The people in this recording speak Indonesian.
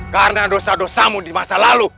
karena dosa dosamu di masa lalu